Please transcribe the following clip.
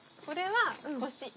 これは腰。